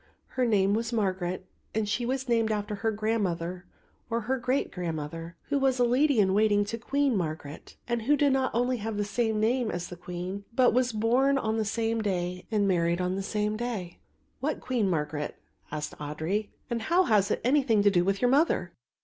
Her name was Margaret and she was named after her grandmother or her great grandmother, who was lady in waiting to Queen Margaret, and who not only had the same name as the Queen but was born on the same day and married on the same day." "What Queen Margaret," asked Audry, "and how has it anything to do with your mother?"